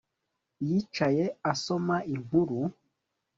Yicaye asoma inkuru